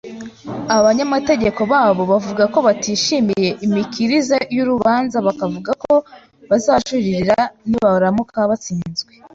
Abanyamategeko babo bavuga ko batishimiye imikirize y’uru rubanza bakavuga ko bazajurira nibaramuka batsinzwe .